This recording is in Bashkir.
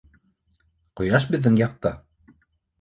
— Ҡояш беҙҙең яҡта.